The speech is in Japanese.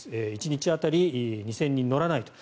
１日当たり２０００人乗らないと。